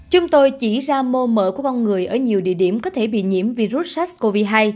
chúng tôi chỉ ra mô mở của con người ở nhiều địa điểm có thể bị nhiễm virus sars cov hai